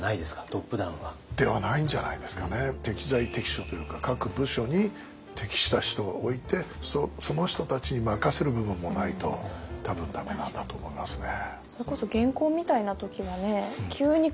トップダウンは。ではないんじゃないですかね適材適所というか各部署に適した人をおいてその人たちに任せる部分もないと多分駄目なんだと思いますね。